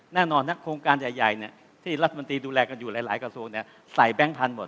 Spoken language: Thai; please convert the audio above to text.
แน่นอนนะโครงการใหญ่ที่รัฐมนตรีดูแลกันอยู่หลายกระทรวงใส่แบงค์พันธุหมด